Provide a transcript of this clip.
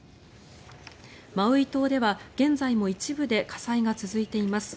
マウイ島では現在も一部で火災が続いています。